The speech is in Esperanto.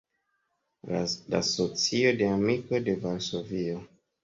La Socio de Amikoj de Varsovio.